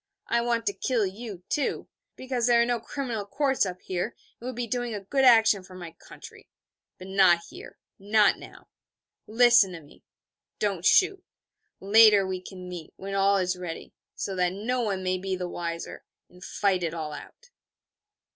I want to kill you, too, because there are no criminal courts up here, and it would be doing a good action for my country. But not here not now. Listen to me don't shoot. Later we can meet, when all is ready, so that no one may be the wiser, and fight it all out.'